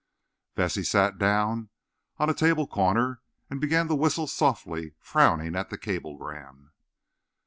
Vesey sat down on a table corner and began to whistle softly, frowning at the cablegram.